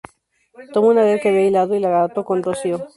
Tomó una red que había hilado, y la ató con rocío.